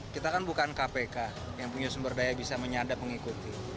kita kan bukan kpk yang punya sumber daya bisa menyadap mengikuti